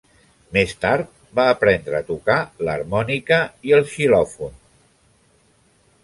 Més tard, va aprendre a tocar l'harmònica i el xilòfon.